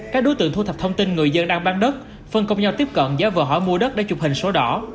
các đối tượng thu thập thông tin người dân đang bán đất phân công nhau tiếp cận giá vờ hỏi mua đất để chụp hình số đỏ